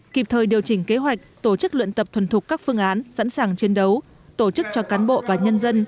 kịp thời điều chỉnh kế hoạch tổ chức luyện tập thuần thục các phương án sẵn sàng chiến đấu tổ chức cho cán bộ và nhân dân